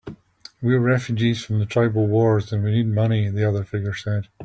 "We're refugees from the tribal wars, and we need money," the other figure said.